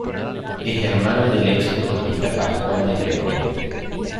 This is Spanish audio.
Es hermano del ex futbolista Pascual de Gregorio.